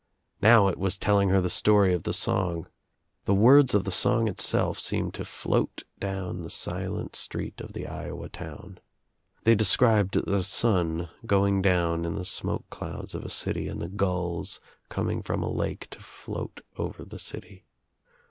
Now It was telling her the story of the song. The words of the song itself seemed to float down the silent street of the Iowa town. They described the sun going down In the smoke clouds of / a city and the gulls coming from a lake to float over/ i ' the city.